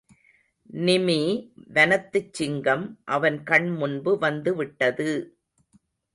நிமீ வனத்துச் சிங்கம் அவன் கண் முன்பு வந்துவிட்டது!